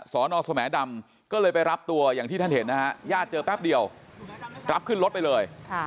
สอนอสแหมดำก็เลยไปรับตัวอย่างที่ท่านเห็นนะฮะญาติเจอแป๊บเดียวรับขึ้นรถไปเลย